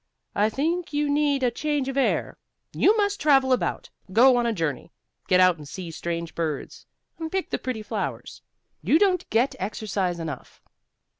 "I think you need a change of air. You must travel about. Go on a journey, get out and see strange birds, and pick the pretty flowers. You don't get exercise enough."